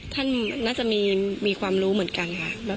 ท่านน่าจะมีความรู้เหมือนกันค่ะ